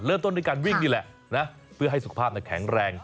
เริ่มต้นด้วยการวิ่งนี่แหละนะเพื่อให้สุขภาพแข็งแรง